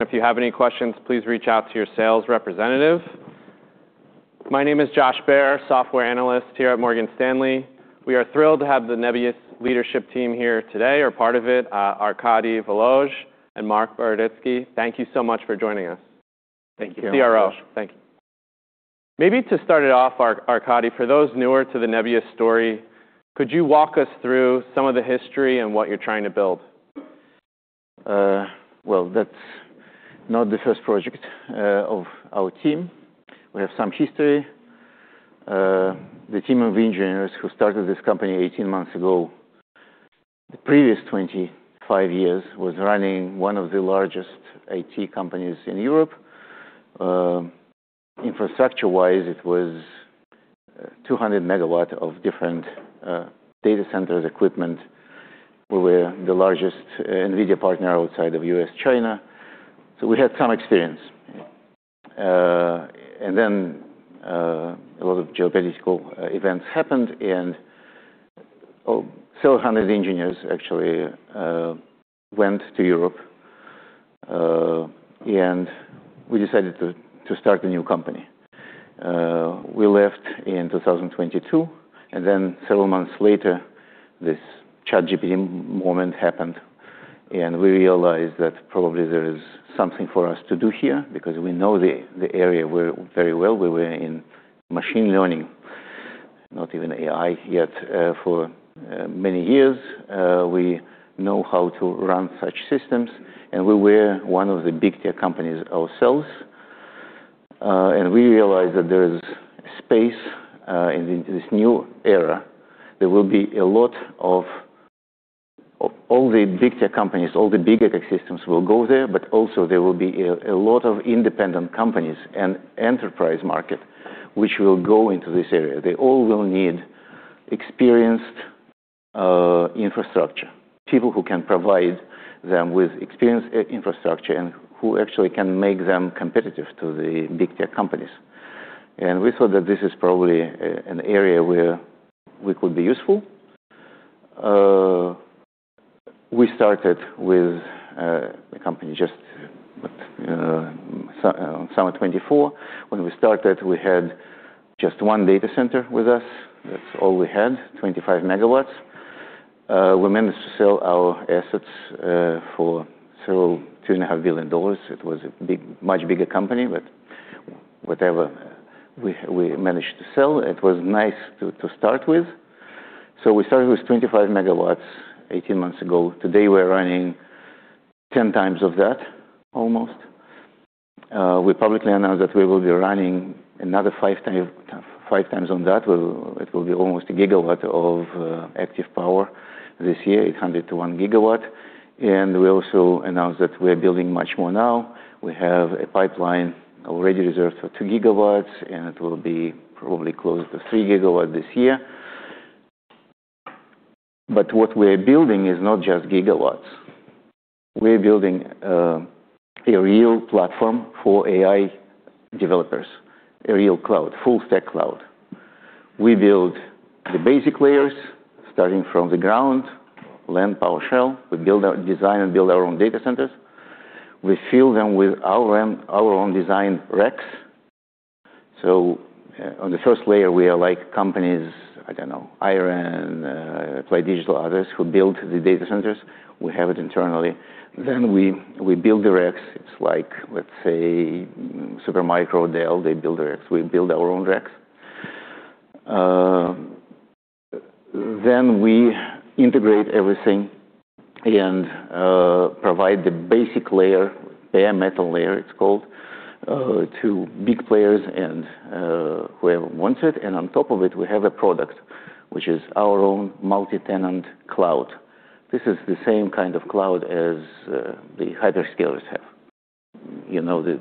If you have any questions, please reach out to your sales representative. My name is Josh Baer, software analyst here at Morgan Stanley. We are thrilled to have the Nebius leadership team here today, or part of it, Arkady Volozh and Marc Boroditsky. Thank you so much for joining us. Thank you, Josh. Thank you. Maybe to start it off, Arkady, for those newer to the Nebius story, could you walk us through some of the history and what you're trying to build? Well, that's not the first project of our team. We have some history. The team of engineers who started this company 18 months ago, the previous 25 years was running one of the largest IT companies in Europe. Infrastructure-wise, it was 200 MW of different data centers equipment. We were the largest NVIDIA partner outside of U.S., China. We had some experience. A lot of geopolitical events happened, and several hundred engineers actually went to Europe, and we decided to start a new company. We left in 2022, several months later, this ChatGPT moment happened, and we realized that probably there is something for us to do here because we know the area very well. We were in machine learning, not even AI yet, for many years. We know how to run such systems, and we were one of the big tech companies ourselves. We realized that there is space in this new era. There will be a lot of... All the big tech companies, all the big tech systems will go there, but also there will be a lot of independent companies and enterprise market which will go into this area. They all will need experienced infrastructure, people who can provide them with experienced infrastructure and who actually can make them competitive to the big tech companies. We thought that this is probably an area where we could be useful. We started with the company just summer 2024. When we started, we had just one data center with us. That's all we had, 25 MW. We managed to sell our assets for $2.5 billion. It was a big, much bigger company, whatever. We managed to sell. It was nice to start with. We started with 25 MW 18 months ago. Today, we're running 10x of that almost. We publicly announced that we will be running another 5x on that. It will be almost a gigawatt of active power this year, 800 GW to 1 GW. We also announced that we are building much more now. We have a pipeline already reserved for 2 GW, and it will be probably close to 3 GW this year. What we're building is not just gigawatts. We're building a real platform for AI developers, a real cloud, full stack cloud. We build the basic layers starting from the ground, land, power, shell. We design and build our own data centers. We fill them with our own design racks. On the first layer, we are like companies, I don't know, Iron, Play Digital, others who build the data centers. We have it internally. We build the racks. It's like, let's say, Supermicro, Dell, they build the racks. We build our own racks. Then we integrate everything and provide the basic layer, bare metal layer it's called, to big players and whoever wants it. On top of it, we have a product, which is our own multi-tenant cloud. This is the same kind of cloud as the hyperscalers have. You know the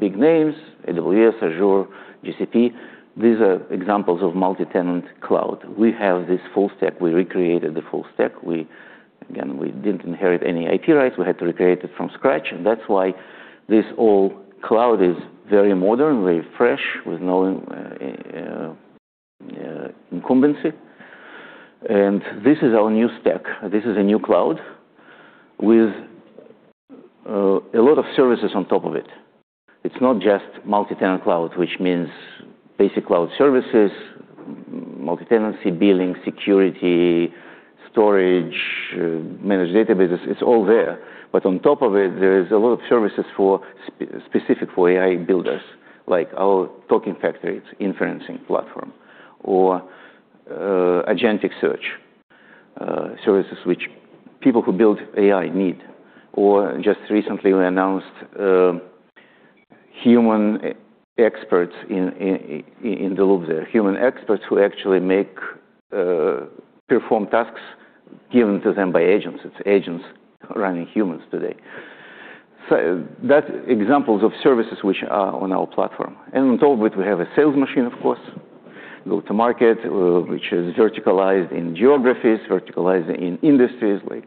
big names, AWS, Azure, GCP. These are examples of multi-tenant cloud. We have this full stack. We recreated the full stack. We again didn't inherit any IP rights. We had to recreate it from scratch. That's why this all cloud is very modern, very fresh, with no incumbency. This is our new stack. This is a new cloud with a lot of services on top of it. It's not just multi-tenant cloud, which means basic cloud services, multi-tenancy, billing, security, storage, managed databases. It's all there. On top of it, there is a lot of services for specific for AI builders, like our Token Factory, it's inferencing platform, or agentic search services which people who build AI need. Just recently, we announced human experts in the loop there. Human experts who actually make perform tasks given to them by agents. It's agents running humans today. That examples of services which are on our platform. On top of it, we have a sales machine, of course, go to market, which is verticalized in geographies, verticalized in industries like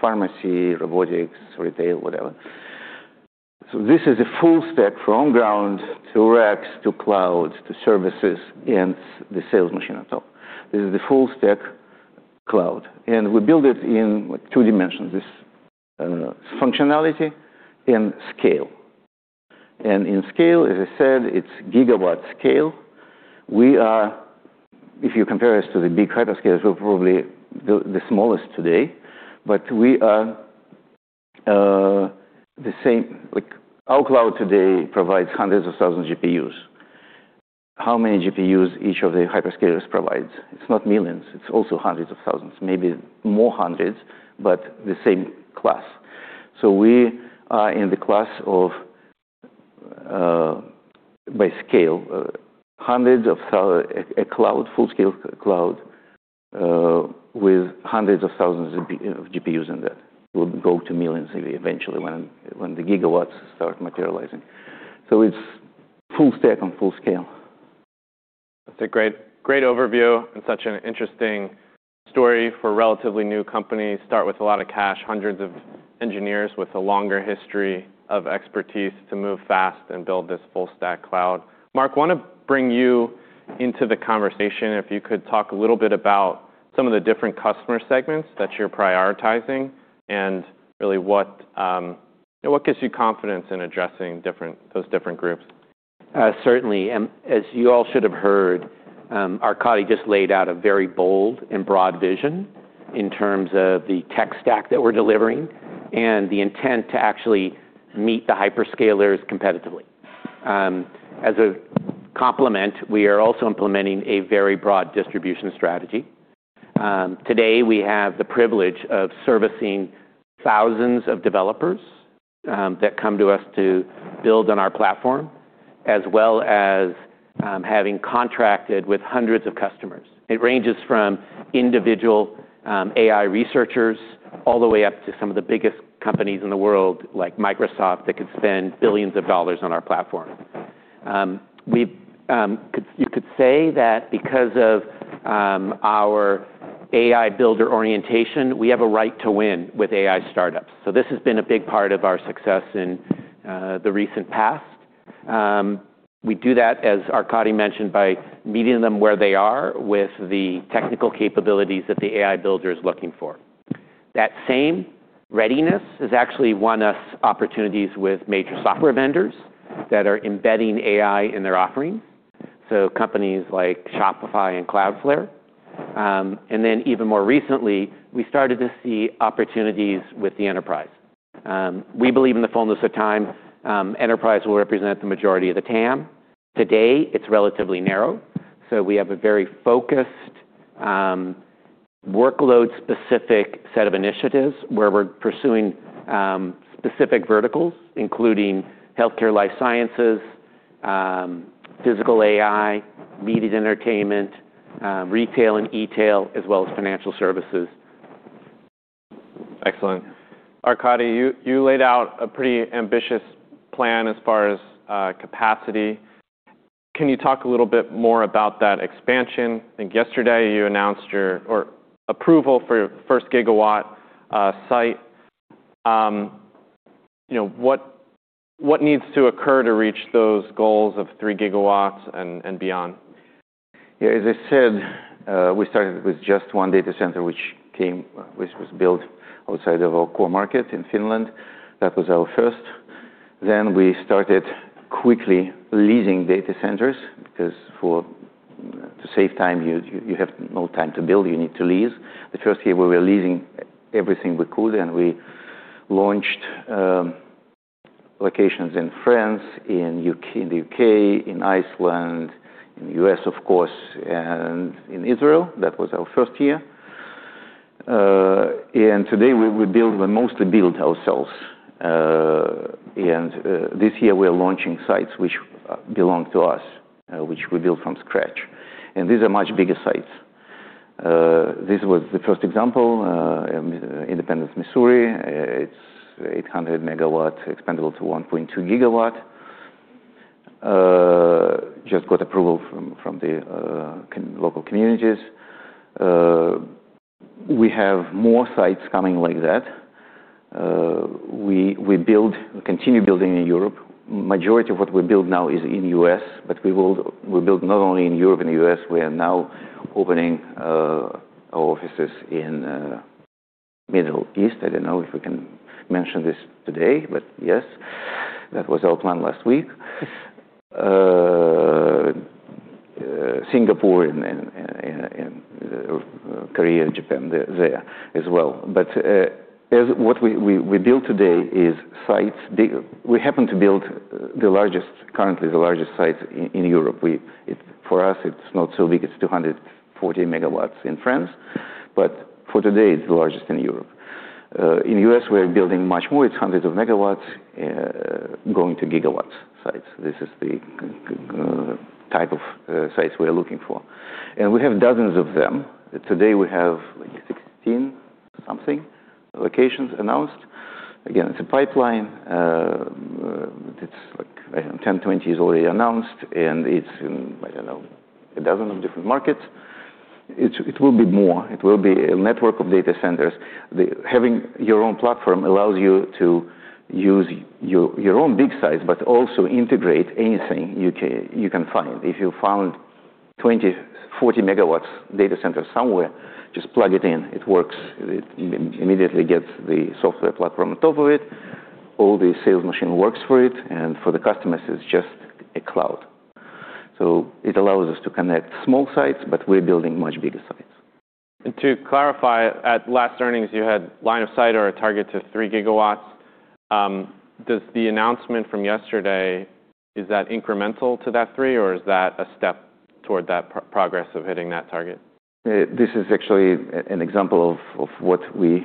pharmacy, robotics, retail, whatever. This is a full stack from ground to racks to clouds to services and the sales machine on top. This is the full stack cloud. We build it in two dimensions, this, I don't know, functionality and scale. In scale, as I said, it's GW scale. We are, if you compare us to the big hyperscalers, we're probably the smallest today, but we are the same. Like, our cloud today provides hundreds of thousands of GPUs. How many GPUs each of the hyperscalers provides? It's not millions. It's also hundreds of thousands, maybe more hundreds, but the same class. We are in the class of by scale hundreds of thousands of GPUs in that. We'll go to millions eventually when the gigawatts start materializing. It's full stack on full scale. That's a great overview and such an interesting story for a relatively new company. Start with a lot of cash, hundreds of engineers with a longer history of expertise to move fast and build this full stack cloud. Marc, wanna bring you into the conversation, if you could talk a little bit about some of the different customer segments that you're prioritizing and really what gives you confidence in addressing those different groups. Certainly. As you all should have heard, Arkady just laid out a very bold and broad vision in terms of the tech stack that we're delivering and the intent to actually meet the hyperscalers competitively. As a complement, we are also implementing a very broad distribution strategy. Today, we have the privilege of servicing thousands of developers that come to us to build on our platform, as well as having contracted with hundreds of customers. It ranges from individual AI researchers all the way up to some of the biggest companies in the world, like Microsoft, that could spend $ billions on our platform. We, you could say that because of our AI builder orientation, we have a right to win with AI startups. This has been a big part of our success in the recent past. We do that, as Arkady mentioned, by meeting them where they are with the technical capabilities that the AI builder is looking for. That same readiness has actually won us opportunities with major software vendors that are embedding AI in their offering, so companies like Shopify and Cloudflare. Even more recently, we started to see opportunities with the enterprise. We believe in the fullness of time, enterprise will represent the majority of the TAM. Today, it's relatively narrow, we have a very focused, workload-specific set of initiatives where we're pursuing specific verticals, including healthcare, life sciences, physical AI, media entertainment, retail and e-tail, as well as financial services. Excellent. Arkady, you laid out a pretty ambitious plan as far as capacity. Can you talk a little bit more about that expansion? I think yesterday you announced your approval for your first GW site. You know, what needs to occur to reach those goals of 3 GW and beyond? Yeah. As I said, we started with just one data center, which was built outside of our core market in Finland. That was our first. We started quickly leasing data centers, because for, to save time, you have no time to build, you need to lease. The first year, we were leasing everything we could, and we launched locations in France, in the U.K., in Iceland, in the U.S., of course, and in Israel. That was our first year. Today we mostly build ourselves. This year we are launching sites which belong to us, which we built from scratch, and these are much bigger sites. This was the first example, Independence, Missouri. It's 800 MW, expandable to 1.2 GW. Just got approval from the local communities. We have more sites coming like that. We continue building in Europe. Majority of what we build now is in U.S. We build not only in Europe and U.S., we are now opening our offices in Middle East. I don't know if we can mention this today, but yes, that was our plan last week. Singapore and Korea and Japan as well. What we build today is sites we happen to build the largest currently the largest sites in Europe. For us, it's not so big, it's 240 MW in France, but for today it's the largest in Europe. In U.S., we're building much more, it's hundreds of megawatts, going to gigawatts sites. This is the type of sites we are looking for. We have dozens of them. Today we have like 16 something locations announced. Again, it's a pipeline. It's like 10, 20 is already announced, it's in, I don't know, a dozen of different markets. It will be more. It will be a network of data centers. Having your own platform allows you to use your own big size, but also integrate anything you can find. If you found 20 MW, 40 MW data center somewhere, just plug it in. It works. It immediately gets the software platform on top of it. All the sales machine works for it, for the customers, it's just a cloud. It allows us to connect small sites, but we're building much bigger sites. To clarify, at last earnings, you had line of sight or a target to 3 GW. Does the announcement from yesterday, is that incremental to that 3 GW, or is that a step toward that progress of hitting that target? This is actually an example of what we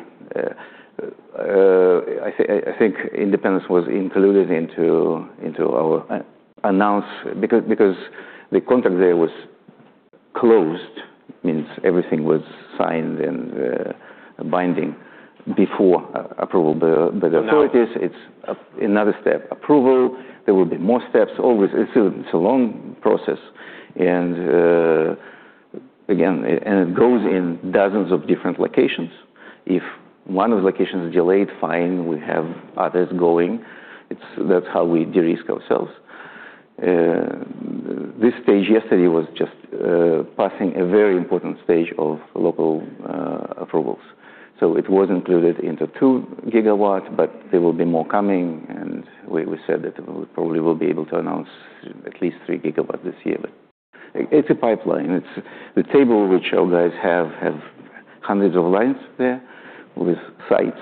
I think Independence was included into our announce because the contract there was closed, means everything was signed and binding before approved by the authorities. No. It's another step. Approval, there will be more steps. Always. It's a long process. Again, it goes in dozens of different locations. If one of the locations is delayed, fine, we have others going. That's how we de-risk ourselves. This stage yesterday was just passing a very important stage of local approvals. It was included into 2 GW, but there will be more coming, and we said that we probably will be able to announce at least 3 GW this year. It's a pipeline. It's the table which you guys have hundreds of lines there with sites,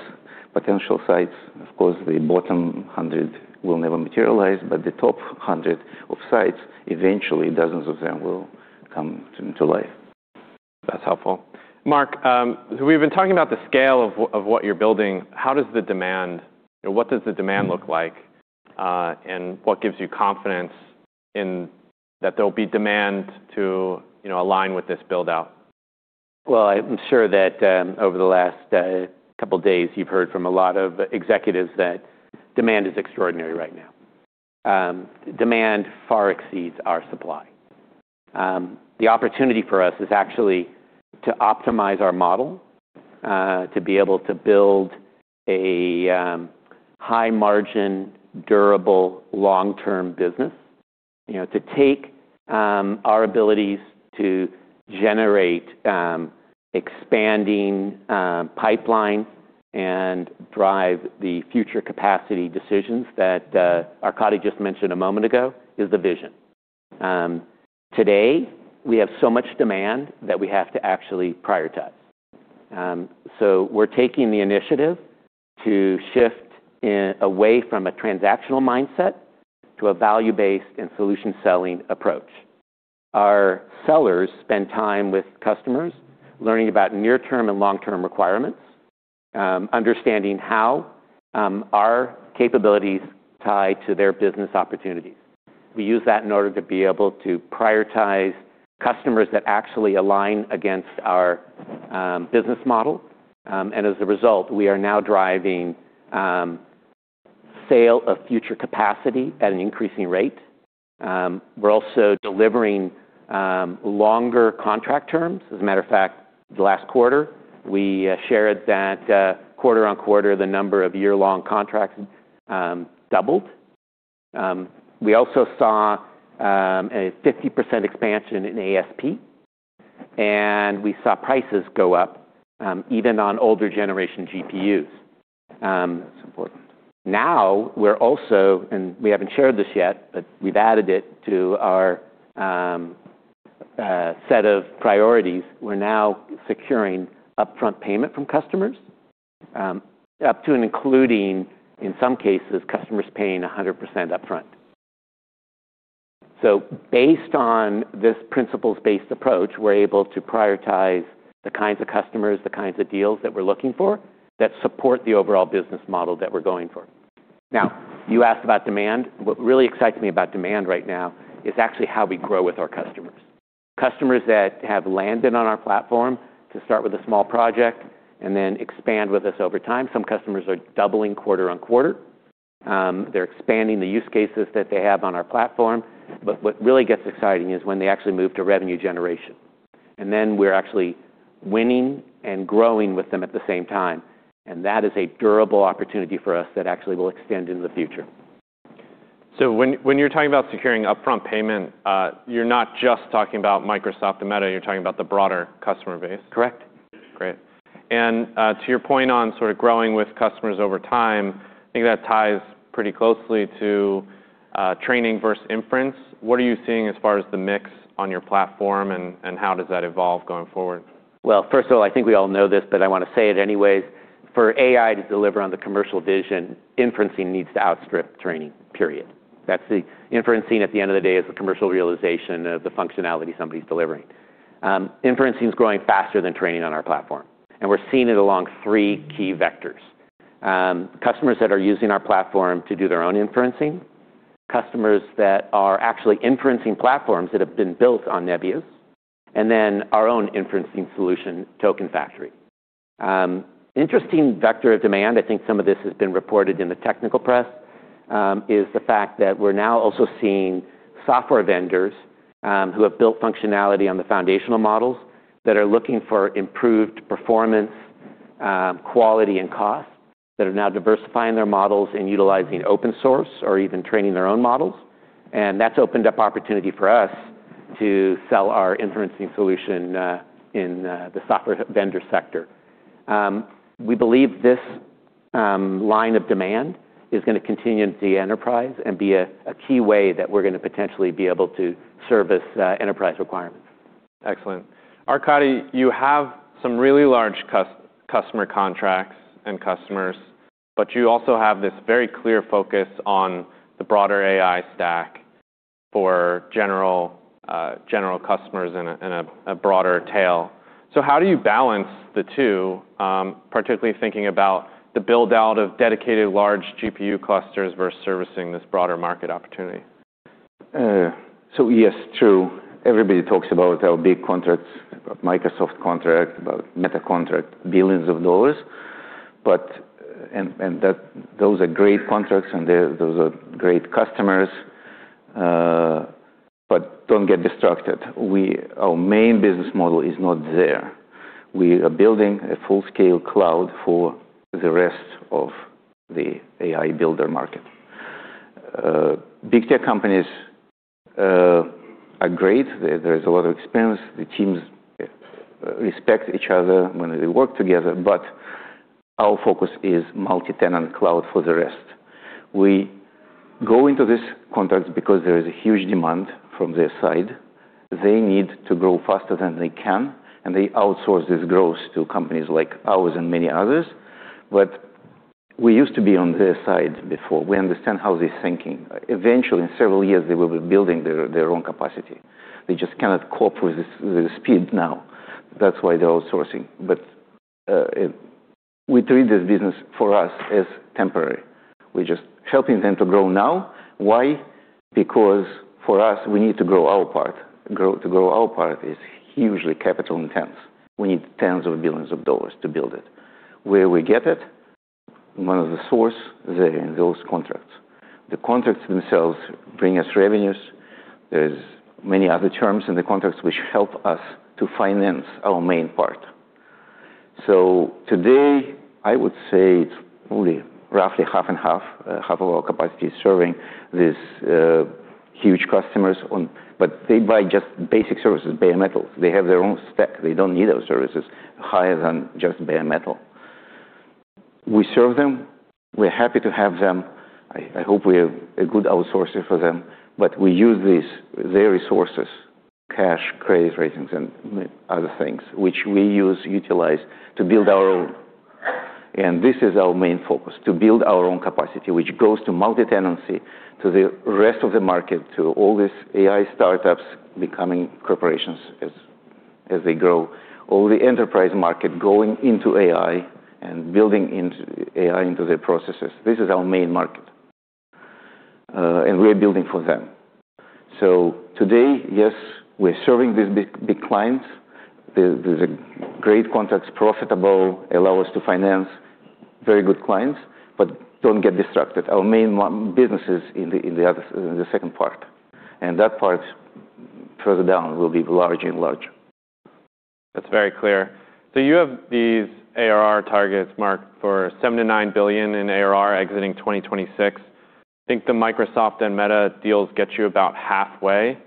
potential sites. Of course, the bottom 100 will never materialize, but the top 100 of sites, eventually dozens of them will come to life. That's helpful. Marc, we've been talking about the scale of what you're building. What does the demand look like, and what gives you confidence that there'll be demand to, you know, align with this build-out? I'm sure that, over the last couple days, you've heard from a lot of executives that demand is extraordinary right now. Demand far exceeds our supply. The opportunity for us is actually to optimize our model to be able to build a high margin, durable, long-term business. You know, to take our abilities to generate expanding pipeline and drive the future capacity decisions that Arkady just mentioned a moment ago is the vision. Today, we have so much demand that we have to actually prioritize. We're taking the initiative to shift away from a transactional mindset to a value-based and solution-selling approach. Our sellers spend time with customers learning about near-term and long-term requirements, understanding how our capabilities tie to their business opportunities. We use that in order to be able to prioritize customers that actually align against our business model. As a result, we are now driving sale of future capacity at an increasing rate. We're also delivering longer contract terms. As a matter of fact, the last quarter, we shared that quarter-on-quarter, the number of year-long contracts doubled. We also saw a 50% expansion in ASP, and we saw prices go up even on older generation GPUs. That's important. Now, we're also, and we haven't shared this yet, but we've added it to our set of priorities. We're now securing upfront payment from customers, up to and including, in some cases, customers paying 100% upfront. Based on this principles-based approach, we're able to prioritize the kinds of customers, the kinds of deals that we're looking for that support the overall business model that we're going for. You asked about demand. What really excites me about demand right now is actually how we grow with our customers. Customers that have landed on our platform to start with a small project and then expand with us over time. Some customers are doubling quarter-on-quarter. They're expanding the use cases that they have on our platform. What really gets exciting is when they actually move to revenue generation. We're actually winning and growing with them at the same time, and that is a durable opportunity for us that actually will extend into the future. When you're talking about securing upfront payment, you're not just talking about Microsoft and Meta, you're talking about the broader customer base? Correct. Great. To your point on sort of growing with customers over time, I think that ties pretty closely to training versus inference. What are you seeing as far as the mix on your platform, and how does that evolve going forward? Well, first of all, I think we all know this, but I want to say it anyways. For AI to deliver on the commercial vision, inferencing needs to outstrip training, period. That's inferencing, at the end of the day, is the commercial realization of the functionality somebody's delivering. Inferencing is growing faster than training on our platform, we're seeing it along three key vectors. Customers that are using our platform to do their own inferencing, customers that are actually inferencing platforms that have been built on Nebius, our own inferencing solution, Token Factory. Interesting vector of demand, I think some of this has been reported in the technical press. Is the fact that we're now also seeing software vendors, who have built functionality on the foundational models that are looking for improved performance, quality, and cost, that are now diversifying their models and utilizing open source or even training their own models. That's opened up opportunity for us to sell our inferencing solution in the software vendor sector. We believe this line of demand is gonna continue into the enterprise and be a key way that we're gonna potentially be able to service enterprise requirements. Excellent. Arkady, you have some really large customer contracts and customers, but you also have this very clear focus on the broader AI stack for general customers in a broader tail. How do you balance the two, particularly thinking about the build-out of dedicated large GPU clusters versus servicing this broader market opportunity? Yes, true. Everybody talks about our big contracts, about Microsoft contract, about Meta contract, billions of dollars. Those are great contracts, and those are great customers. Don't get distracted. Our main business model is not there. We are building a full-scale cloud for the rest of the AI builder market. Big tech companies are great. There is a lot of experience. The teams respect each other when they work together, our focus is multi-tenant cloud for the rest. We go into this contract because there is a huge demand from their side. They need to grow faster than they can, and they outsource this growth to companies like ours and many others. We used to be on their side before. We understand how they're thinking. Eventually, in several years, they will be building their own capacity. They just cannot cope with the speed now. That's why they're outsourcing. We treat this business for us as temporary. We're just helping them to grow now. Why? Because for us, we need to grow our part. To grow our part is hugely capital intense. We need tens of billions of dollars to build it. Where we get it, one of the source, in those contracts. The contracts themselves bring us revenues. There's many other terms in the contracts which help us to finance our main part. Today, I would say it's only roughly half and half. Half of our capacity is serving these huge customers. They buy just basic services, bare metal. They have their own stack. They don't need our services higher than just bare metal. We serve them. We're happy to have them. I hope we're a good outsourcer for them, we use their resources, cash, credit ratings, and other things, which we utilize to build our own. This is our main focus, to build our own capacity, which goes to multi-tenancy, to the rest of the market, to all these AI startups becoming corporations as they grow. All the enterprise market going into AI and building into AI into their processes. This is our main market, we're building for them. Today, yes, we're serving these big clients. There's a great contracts, profitable, allow us to finance very good clients, don't get distracted. Our main businesses in the second part. That part further down will be larger and larger. That's very clear. You have these ARR targets marked for $7 billion-$9 billion in ARR exiting 2026. I think the Microsoft and Meta deals get you about halfway.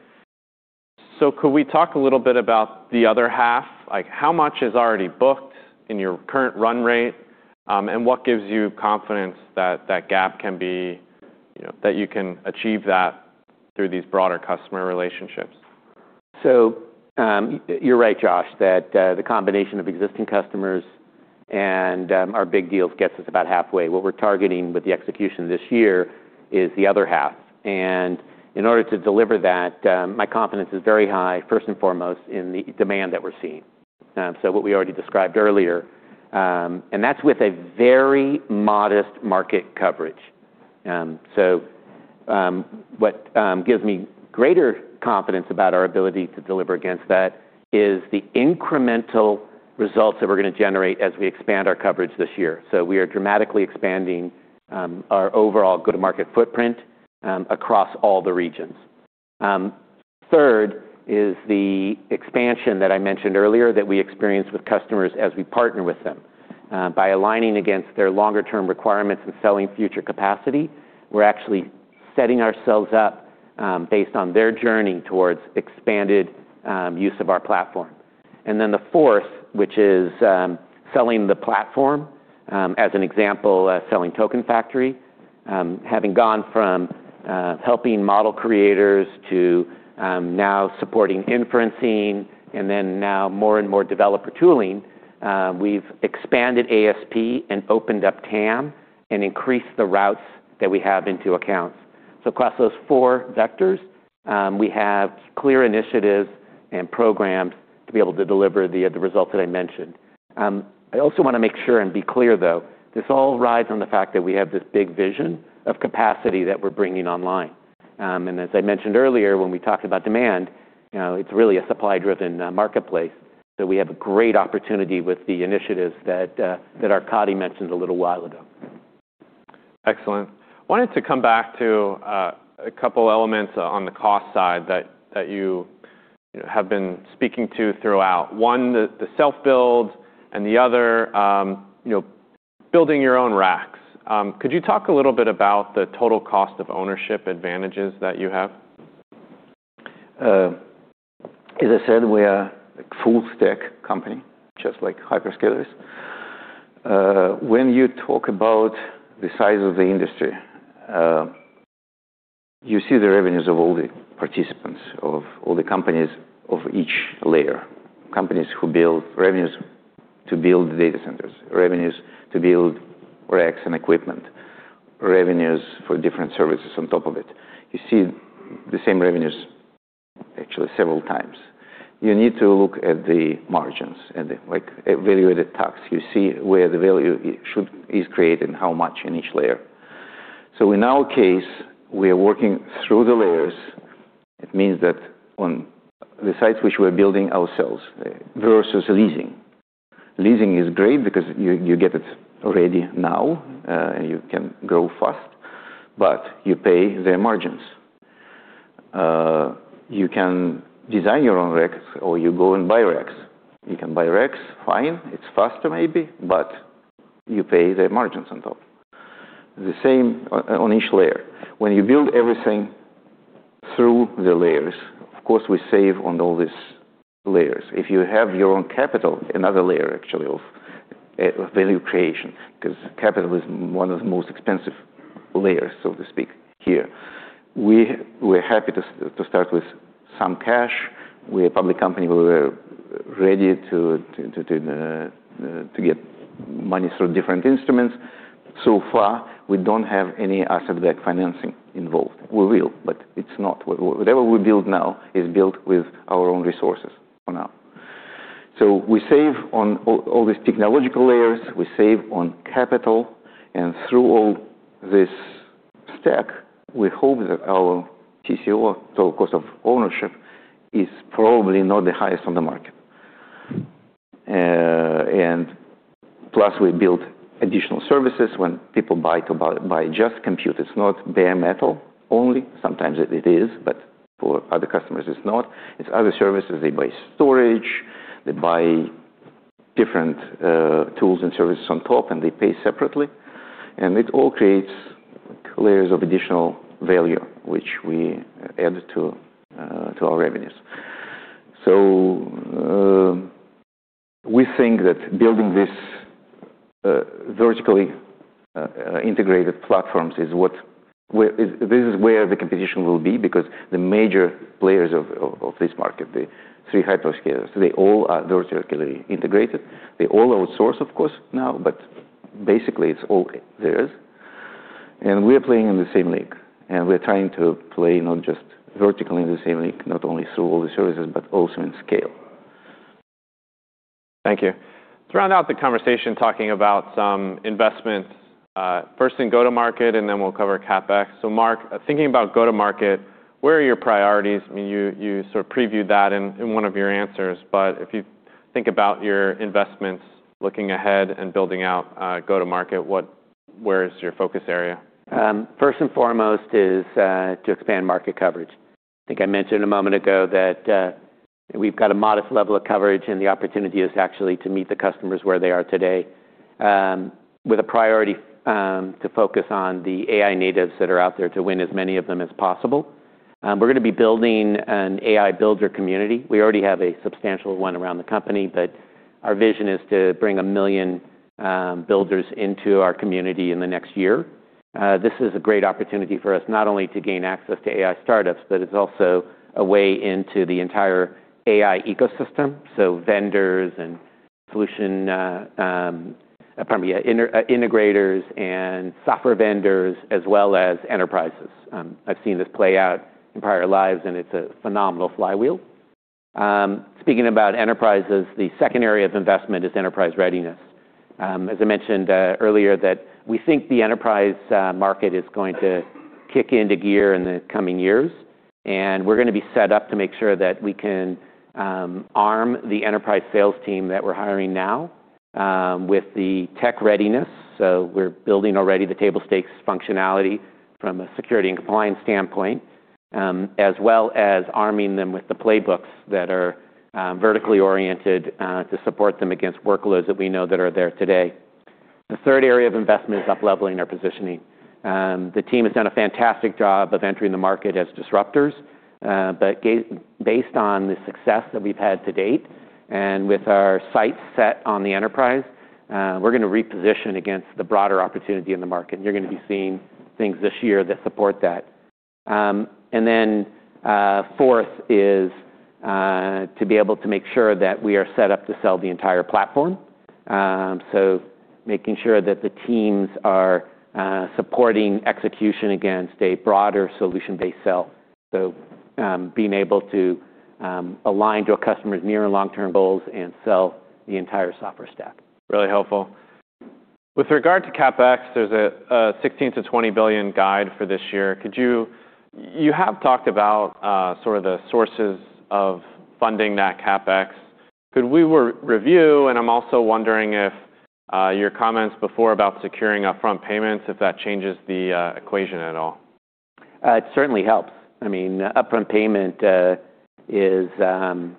Could we talk a little bit about the other half? Like, how much is already booked in your current run rate, and what gives you confidence that that gap can be, you know, that you can achieve that through these broader customer relationships? You're right, Josh, that the combination of existing customers and our big deals gets us about halfway. What we're targeting with the execution this year is the other half. In order to deliver that, my confidence is very high, first and foremost, in the demand that we're seeing. What we already described earlier, that's with a very modest market coverage. What gives me greater confidence about our ability to deliver against that is the incremental results that we're gonna generate as we expand our coverage this year. We are dramatically expanding our overall go-to-market footprint across all the regions. Third is the expansion that I mentioned earlier that we experience with customers as we partner with them. By aligning against their longer term requirements and selling future capacity, we're actually setting ourselves up, based on their journey towards expanded use of our platform. The fourth, which is selling the platform, as an example, selling Token Factory, having gone from helping model creators to now supporting inferencing and then now more and more developer tooling, we've expanded ASP and opened up TAM and increased the routes that we have into accounts. Across those four vectors, we have clear initiatives and programs to be able to deliver the results that I mentioned. I also wanna make sure and be clear, though, this all rides on the fact that we have this big vision of capacity that we're bringing online. As I mentioned earlier when we talked about demand, you know, it's really a supply-driven marketplace that we have a great opportunity with the initiatives that Arkady mentioned a little while ago. Excellent. Wanted to come back to a couple elements on the cost side that you have been speaking to throughout. One, the self-build and the other, you know, building your own racks. Could you talk a little bit about the total cost of ownership advantages that you have? As I said, we are a full stack company, just like hyperscalers. When you talk about the size of the industry, you see the revenues of all the participants, of all the companies of each layer. Companies who build revenues to build data centers, revenues to build racks and equipment, revenues for different services on top of it. You see the same revenues actually several times. You need to look at the margins and the like evaluated tax. You see where the value is created and how much in each layer. In our case, we are working through the layers. It means that on the sites which we're building ourselves versus leasing. Leasing is great because you get it ready now, and you can grow fast, but you pay their margins. You can design your own racks or you go and buy racks. You can buy racks, fine, it's faster maybe, but you pay their margins on top. The same on each layer. When you build everything through the layers, of course, we save on all these layers. If you have your own capital, another layer actually of value creation, 'cause capital is one of the most expensive layers, so to speak here. We're happy to start with some cash. We're a public company, we're ready to get money through different instruments. We don't have any asset-backed financing involved. We will, but it's not what. Whatever we build now is built with our own resources for now. We save on all these technological layers, we save on capital, and through all this stack, we hope that our TCO, total cost of ownership, is probably not the highest on the market. Plus, we build additional services when people buy just computers, not bare metal only. Sometimes it is, but for other customers, it's not. It's other services. They buy storage, they buy different tools and services on top, and they pay separately. It all creates layers of additional value, which we add to our revenues. We think that building this vertically integrated platforms this is where the competition will be because the major players of this market, the three hyperscalers, they all are vertically integrated. They all outsource, of course, now, but basically it's all theirs. We're playing in the same league, and we're trying to play not just vertically in the same league, not only through all the services, but also in scale. Thank you. To round out the conversation talking about some investments, first in go-to-market, and then we'll cover CapEx. Marc, thinking about go-to-market, where are your priorities? I mean, you sort of previewed that in one of your answers, but if you think about your investments looking ahead and building out, go-to-market, where is your focus area? First and foremost is to expand market coverage. I think I mentioned a moment ago that we've got a modest level of coverage, and the opportunity is actually to meet the customers where they are today, with a priority to focus on the AI natives that are out there to win as many of them as possible. We're gonna be building an AI builder community. We already have a substantial one around the company, but our vision is to bring 1 million builders into our community in the next year. This is a great opportunity for us not only to gain access to AI startups, but it's also a way into the entire AI ecosystem, so vendors and solution. Pardon me, yeah, integrators and software vendors as well as enterprises. I've seen this play out in prior lives, it's a phenomenal flywheel. Speaking about enterprises, the second area of investment is enterprise readiness. As I mentioned earlier that we think the enterprise market is going to kick into gear in the coming years, we're going to be set up to make sure that we can arm the enterprise sales team that we're hiring now with the tech readiness. We're building already the table stakes functionality from a security and compliance standpoint, as well as arming them with the playbooks that are vertically oriented to support them against workloads that we know that are there today. The third area of investment is upleveling our positioning. The team has done a fantastic job of entering the market as disruptors. Based on the success that we've had to date and with our sights set on the enterprise, we're gonna reposition against the broader opportunity in the market. You're gonna be seeing things this year that support that. Fourth is to be able to make sure that we are set up to sell the entire platform. Making sure that the teams are supporting execution against a broader solution-based sell. Being able to align to a customer's near and long-term goals and sell the entire software stack. Really helpful. With regard to CapEx, there's a $16 billion-$20 billion guide for this year. You have talked about sort of the sources of funding that CapEx. Could we re-review? I'm also wondering if your comments before about securing upfront payments, if that changes the equation at all. It certainly helps. I mean, upfront payment is not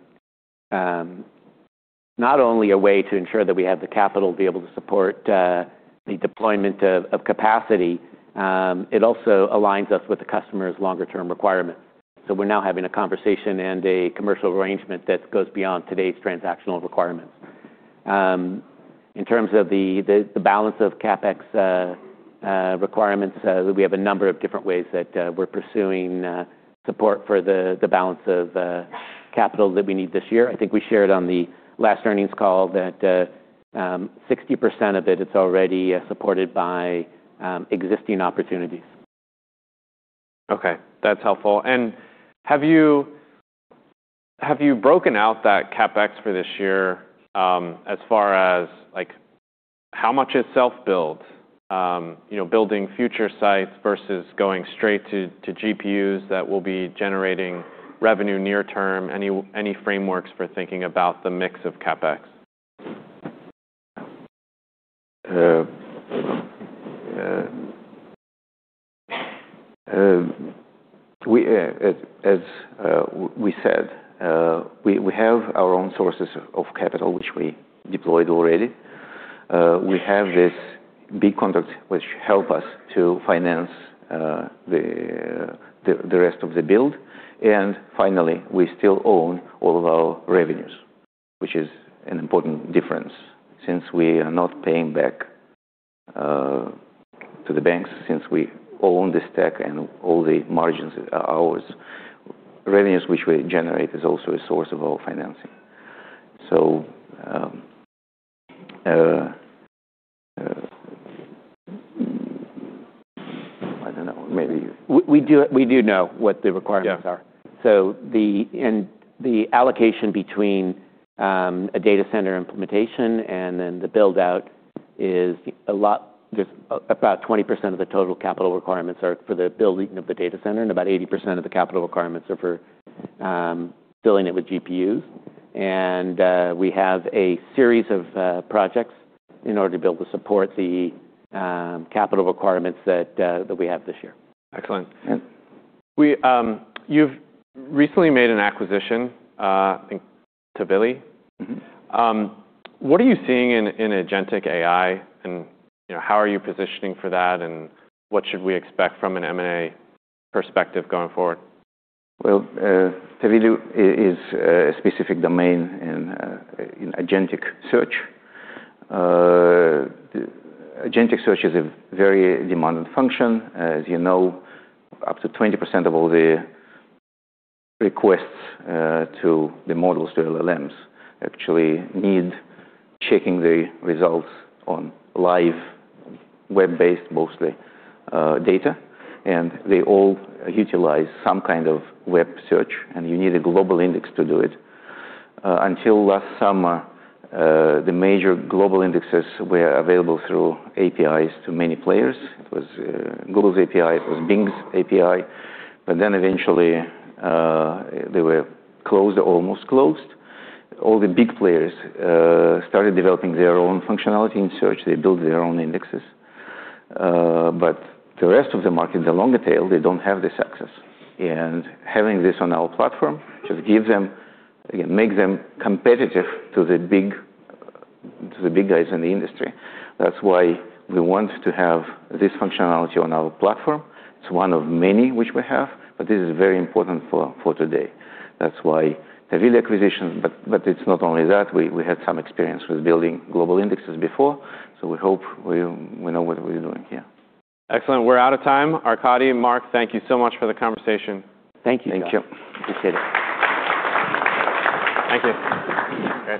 only a way to ensure that we have the capital to be able to support the deployment of capacity, it also aligns us with the customer's longer term requirements. We're now having a conversation and a commercial arrangement that goes beyond today's transactional requirements. In terms of the balance of CapEx requirements, we have a number of different ways that we're pursuing support for the balance of capital that we need this year. I think we shared on the last earnings call that 60% of it is already supported by existing opportunities. Okay, that's helpful. Have you broken out that CapEx for this year, as far as, like, how much is self-build? You know, building future sites versus going straight to GPUs that will be generating revenue near term. Any frameworks for thinking about the mix of CapEx? We, as we said, we have our own sources of capital, which we deployed already. We have this big contract which help us to finance the rest of the build. Finally, we still own all of our revenues, which is an important difference since we are not paying back to the banks, since we own the stack and all the margins are ours. Revenues which we generate is also a source of our financing. I don't know. We do know what the requirements are. Yeah. The allocation between a data center implementation and then the build-out is just about 20% of the total capital requirements are for the building of the data center, and about 80% of the capital requirements are for filling it with GPUs. We have a series of projects in order to be able to support the capital requirements that we have this year. Excellent. Yeah. We, you've recently made an acquisition, I think, to Tavily. Mm-hmm. What are you seeing in agentic AI and, you know, how are you positioning for that, and what should we expect from an M&A perspective going forward? Tavily is a specific domain in agentic search. Agentic search is a very demanded function. As you know, up to 20% of all the requests to the models, to LLMs, actually need checking the results on live, web-based, mostly, data. They all utilize some kind of web search. You need a global index to do it. Until last summer, the major global indexes were available through APIs to many players. It was Google's API, it was Bing's API. Eventually, they were closed or almost closed. All the big players started developing their own functionality in search. They built their own indexes. The rest of the market, the longer tail, they don't have this access. Having this on our platform just gives them it makes them competitive to the big guys in the industry. That's why we want to have this functionality on our platform. It's one of many which we have, but this is very important for today. That's why Tavily acquisition. It's not only that. We had some experience with building global indexes before, so we hope we know what we're doing here. Excellent. We're out of time. Arkady, Marc, thank you so much for the conversation. Thank you Josh. Thank you. Appreciate it. Thank you. Great.